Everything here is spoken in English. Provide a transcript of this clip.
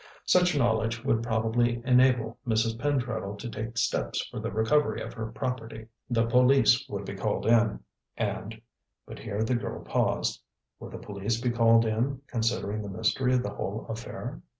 Such knowledge would probably enable Mrs. Pentreddle to take steps for the recovery of her property. The police would be called in, and but here the girl paused. Would the police be called in, considering the mystery of the whole affair?